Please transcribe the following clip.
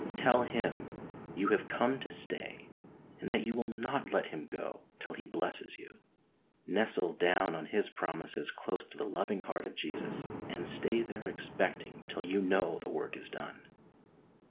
Tell Him you have come to stay, and that you will not let Him go till He blesses you. Nestle down on His promises close to the loving heart of Jesus and stay there expecting till you know the work is done.